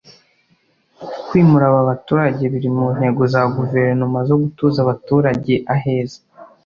Kwimura aba baturage biri mu ntego za Guverinoma zo gutuza abaturage aheza